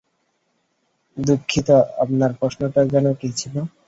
দুঃখিত, আপনার প্রশ্নটা যেন কী ছিল?